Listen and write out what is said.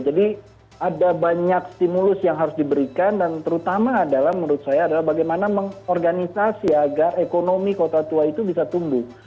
jadi ada banyak stimulus yang harus diberikan dan terutama adalah menurut saya adalah bagaimana mengorganisasi agar ekonomi kota tua itu bisa tumbuh